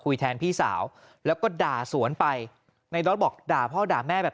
แทนพี่สาวแล้วก็ด่าสวนไปในน็อตบอกด่าพ่อด่าแม่แบบ